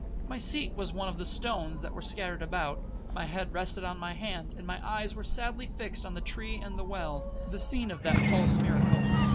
My seat was one of the stones that were scattered about, my head rested on my hand, and my eyes were sadly fixed on the tree and the well, the scene of that false miracle.